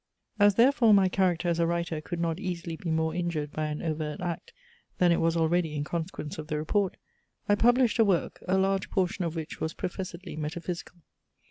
As therefore my character as a writer could not easily be more injured by an overt act than it was already in consequence of the report, I published a work, a large portion of which was professedly metaphysical.